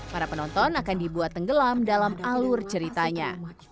para penonton akan dibuat tenggelam dalam alur ceritanya